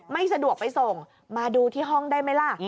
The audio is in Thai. ไม่สะดวกไปส่งมาดูที่ห้องได้ไหมล่ะ